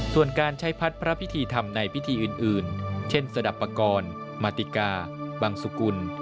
ส่วนการใช้พัดพระพิธีธรรมในพิธีอื่นเช่นสนับปกรณ์มาติกาบังสุกุล